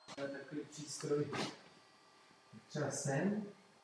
Nachází se na něm jediný ostrov z pozůstatky kostela.